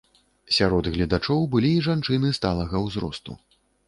Сярод гледачоў былі і жанчыны сталага ўзросту.